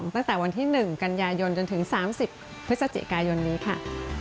ตั้งแต่วันที่๑กันยายนจนถึง๓๐พฤศจิกายนนี้ค่ะ